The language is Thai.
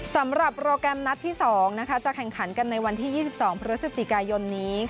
สำหรับโปรแกรมนัดที่๒จะแข่งขันกันในวันที่๒๒พฤศจิกายนนี้